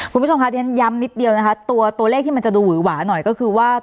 คุณผู้ชมคะที่ฉันย้ำนิดเดียวนะคะตัวเลขที่มันจะดูหือหวาหน่อยก็คือว่า